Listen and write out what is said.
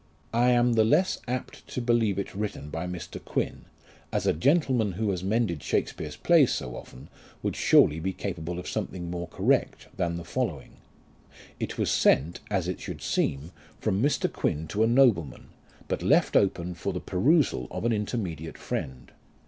I am the less apt to believe it written by Mr. Quin, as a gentleman who has mended Shakspeare's plays so oftenj would surely be capable of something more correct than the following. It was sent, as it should seem, from Mr. Q,uin to a nobleman, but left open for the perusal of an intermediate friend.